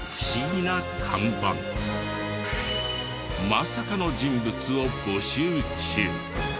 まさかの人物を募集中。